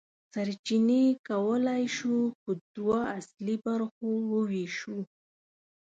سرچینې کولی شو په دوه اصلي برخو وویشو.